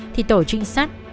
thì tổ trinh sát